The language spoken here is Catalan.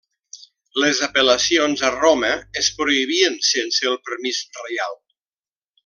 Les apel·lacions a Roma es prohibien sense el permís reial.